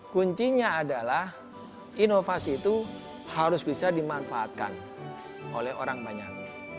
kuncinya adalah inovasi itu harus bisa dimanfaatkan oleh orang banyak